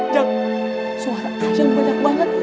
jak suara yang banyak banget